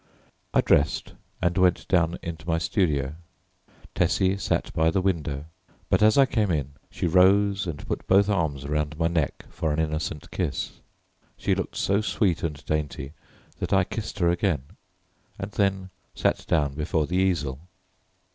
I dressed and went down into my studio. Tessie sat by the window, but as I came in she rose and put both arms around my neck for an innocent kiss. She looked so sweet and dainty that I kissed her again and then sat down before the easel.